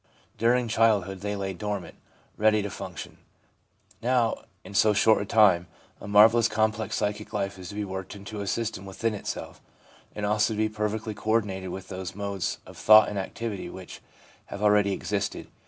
During childhood they lay dormant, ready to function ; now, in so short a time, a marvellous, complex psychic life is to be worked into a system within itself, and also to be perfectly co ordinated with those modes of thought and activity which have already existed.